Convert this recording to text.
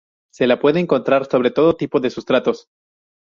Se la puede encontrar sobre todo tipo de sustratos.